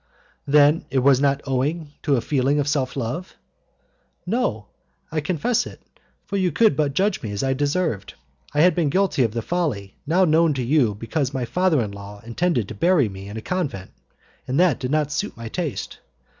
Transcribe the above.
"Then it was not owing to a feeling of self love?" "No, I confess it, for you could but judge me as I deserved. I had been guilty of the folly now known to you because my father in law intended to bury me in a convent, and that did not suit my taste.